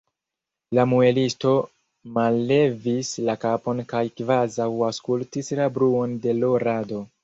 La muelisto mallevis la kapon kaj kvazaŭ aŭskultis la bruon de l' rado.